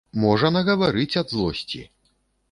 Можа нагаварыць ад злосці.